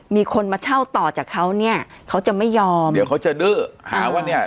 มีคนมาเช่าต่อจากเขาเนี่ยเขาจะไม่ยอมเดี๋ยวเขาจะดื้อหาว่าเนี่ย